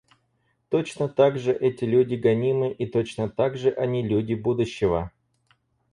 Точно так же эти люди гонимы, и точно так же они люди будущего.